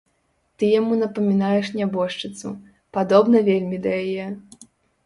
Ты яму напамінаеш нябожчыцу, падобна вельмі да яе!